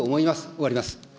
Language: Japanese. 終わります。